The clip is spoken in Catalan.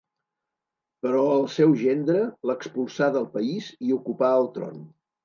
Però el seu gendre l'expulsà del país i ocupà el tron.